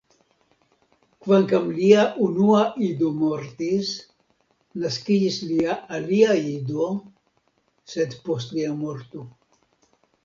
Kvankam lia unua ido mortis, naskiĝis lia alia ido, sed post lia morto.